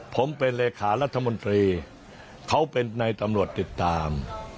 ผมเป็นเลขารัฐมนตรีเขาเป็นในตำรวจติดตาม